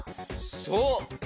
そう。